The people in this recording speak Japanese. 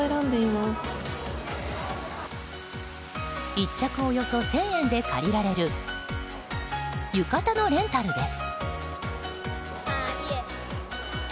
１着およそ１０００円で借りられる浴衣のレンタルです。